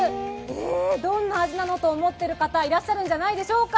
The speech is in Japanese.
どんな味なのかと思っている方、いらっしゃるんじゃないでしょうか。